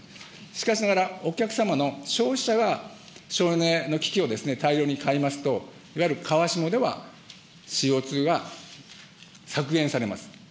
しかしながらお客様の消費者が省エネの機器を大量に買いますと、いわゆるではＣＯ２が削減されます。